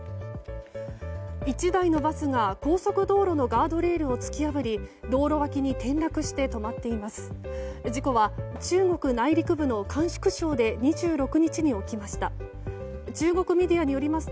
１台のバスが高速道路のガードレールを突き破り道路脇に転落して止まっています。